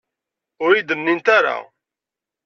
Ur iyi-d-nnint ara.